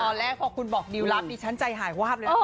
ตอนแรกพอคุณบอกดิวรับดิฉันใจหายวาบเลย